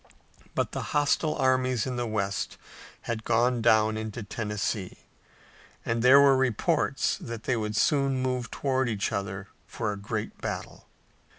But the hostile armies in the west had gone down into Tennessee, and there were reports that they would soon move toward each other for a great battle.